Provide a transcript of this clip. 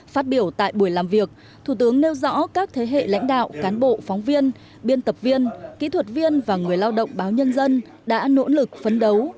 phát biểu tại buổi làm việc thủ tướng nêu rõ các thế hệ lãnh đạo cán bộ phóng viên biên tập viên kỹ thuật viên và người lao động báo nhân dân đã nỗ lực phấn đấu